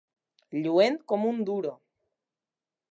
Lluent com un duro.